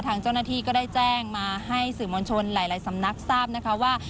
ทางเจ้าหน้าที่ก็ได้แจ้งมาให้สื่อมวลชนหลายสำนักทราบนะคะว่า